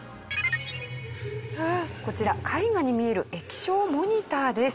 こちら絵画に見える液晶モニターです。